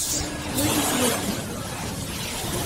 Walit wagi.